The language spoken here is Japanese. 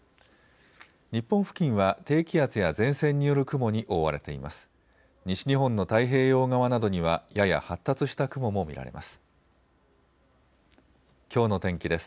日本付近は低気圧や前線による雲に覆われています。